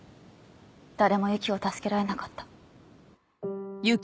誰もＹＵＫＩを助けられなかった。